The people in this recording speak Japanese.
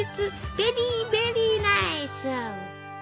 ベリーベリーナイス！